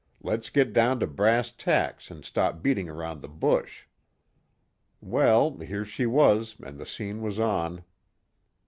Let's get down to brass tacks and stop beating around the bush." Well, here she was and the scene was on.